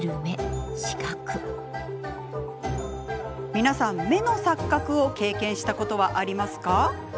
皆さん、目の錯覚を経験したことはありますか？